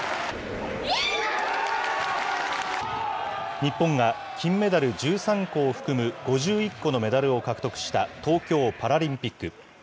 日本が金メダル１３個を含む５１個のメダルを獲得した東京パラリンピック。